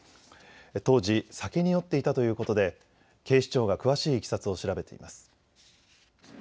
当時、酒に酔っていたということで警視庁が詳しいいきさつを調べています。